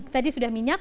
tadi sudah minyak